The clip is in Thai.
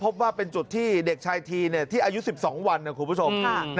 พบว่าเป็นจุดที่เด็กชายทีที่อายุ๑๒วันนะคุณผู้ชม